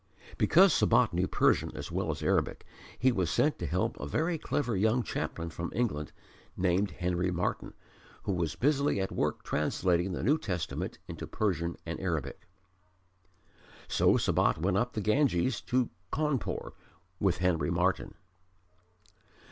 Because Sabat knew Persian as well as Arabic he was sent to help a very clever young chaplain from England named Henry Martyn, who was busily at work translating the New Testament into Persian and Arabic. So Sabat went up the Ganges to Cawnpore with Henry Martyn.